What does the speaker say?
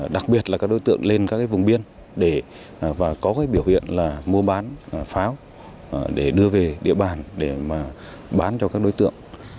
đặc biệt là các đối tượng lên các vùng biên và có biểu hiện mua bán pháo để đưa về địa bàn để bán cho các đối tượng